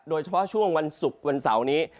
โดยเฉพาะช่วงวันศุกร์วันเสาร์นี้